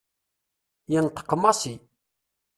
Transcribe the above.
Yenṭeq Massi.